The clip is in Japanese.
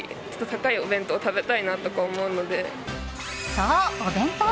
そう、お弁当！